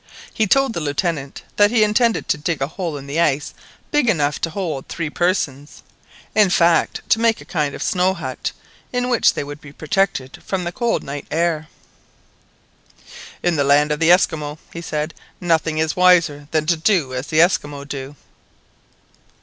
He told the Lieutenant that he intended to dig a hole in the ice big enough to hold three persons—in fact to make a kind of snow hut, in which they would be protected from the cold night air. "In the land of the Esquimaux," he said, "nothing is wiser than to do as the Esquimaux do."